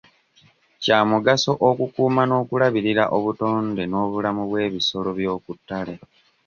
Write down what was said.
Kya mugaso okukuuma n'okulabirira obutonde n'obulamu bw'ebisolo by'okuttale.